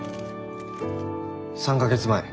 ３か月前